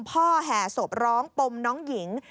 แห่ศพร้องปมน้องหญิง